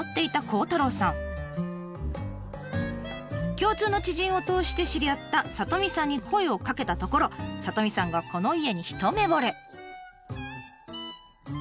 共通の知人を通して知り合った里美さんに声をかけたところ里美さんがこの家に一目ぼれ。